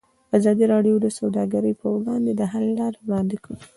ازادي راډیو د سوداګري پر وړاندې د حل لارې وړاندې کړي.